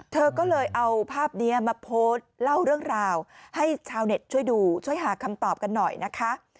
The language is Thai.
เธอก็เลยเอาภาพนี้มาโพสต์เล่าเรื่องราวให้ชาวเน็ตช่วยดูช่วยหาคำตอบกันหน่อยนะคะ